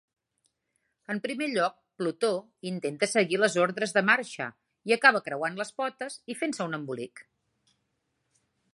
En primer lloc, Plutó intenta seguir les ordres de marxa i acaba creuant les potes i fent-se un embolic.